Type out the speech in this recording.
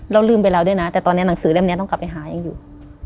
ลืมไปแล้วด้วยนะแต่ตอนนี้หนังสือเล่มนี้ต้องกลับไปหายังอยู่